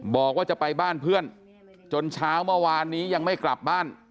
บอกว่าจะไปบ้านเพื่อนจนเช้าเมื่อวานนี้ยังไม่กลับบ้าน